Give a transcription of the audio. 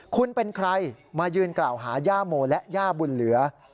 คุณเป็นใครมายืนกล่าวหาย่าโมและย่าบุญเหลือ